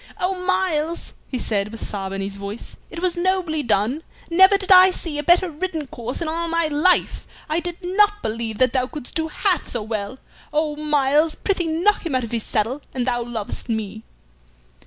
"Oh, Myles!" he said, with sob in his voice, "it was nobly done. Never did I see a better ridden course in all my life. I did not believe that thou couldst do half so well. Oh, Myles, prithee knock him out of his saddle an thou lovest me!"